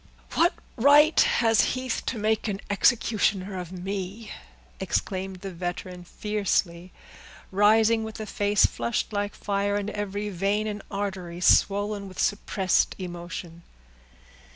"What right has Heath to make an executioner of me!" exclaimed the veteran fiercely, rising with a face flushed like fire, and every vein and artery swollen with suppressed emotion.